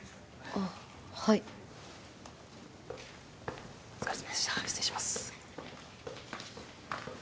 あはいお疲れさまでした失礼します